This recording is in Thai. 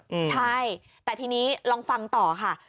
อืมใช่แต่ทีนี้ลองฟังต่อค่ะ